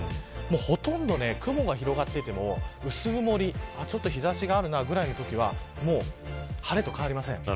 ほとんど雲が広がってきても薄曇りちょっと日差しがあるなぐらいのときは晴れと変わりません。